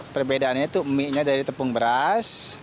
perbedaannya itu mie nya dari tepung beras